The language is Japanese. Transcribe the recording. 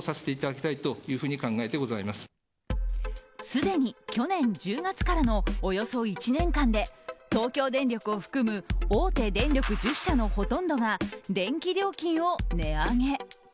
すでに去年１０月からのおよそ１年間で東京電力を含む大手電力１０社のほとんどが電気料金を値上げ。